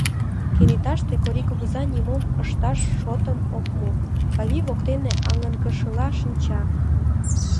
Кенеташте Корий кугыза нимом ышташат шотым ок му: Клавий воктене аҥыргышыла шинча.